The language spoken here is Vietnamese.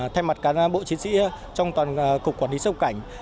thay mặt cán bộ chiến sĩ trong toàn cục quản lý xuất cảnh